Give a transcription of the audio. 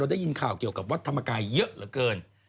ได้ยินข่าวเกี่ยวกับวัดธรรมกายเยอะเหลือเกิน